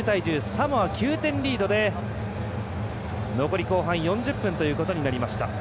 サモア９点リードで残り後半４０分となりました。